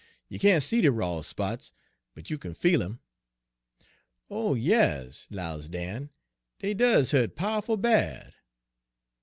'You can't see de raw spots, but you kin feel 'em.' " 'Oh, yas,' 'lows Dan, 'dey does hu't pow'ful bad.'